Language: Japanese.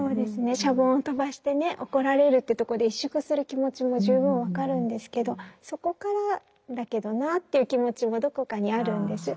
シャボンを飛ばしてね怒られるってとこで萎縮する気持ちも十分分かるんですけどそこからだけどなっていう気持ちもどこかにあるんですよね。